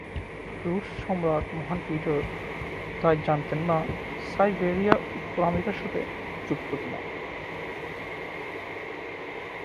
রুশ সম্রাট মহান পিটার তাই জানতেন না সাইবেরিয়া উত্তর আমেরিকার সাথে যুক্ত কি না।